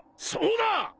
そうだ！